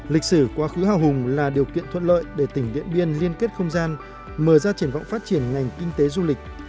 lịch sử quá khứ hào hùng là điều kiện thuận lợi để tỉnh điện biên liên kết không gian mở ra triển vọng phát triển ngành kinh tế du lịch